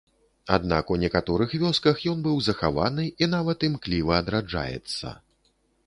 Аднак у некаторых вёсках ён быў захаваны і нават імкліва адраджаецца.